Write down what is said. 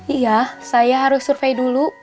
iya saya harus survei dulu